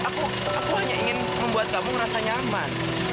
aku hanya ingin membuat kamu ngerasa nyaman